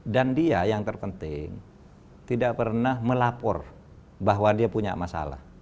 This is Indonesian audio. dan dia yang terpenting tidak pernah melapor bahwa dia punya masalah